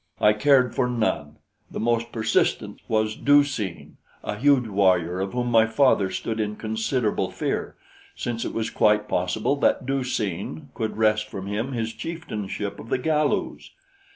I cared for none. The most persistent was Du seen, a huge warrior of whom my father stood in considerable fear, since it was quite possible that Du seen could wrest from him his chieftainship of the Galus.